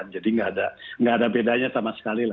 jadi tidak ada bedanya sama sekali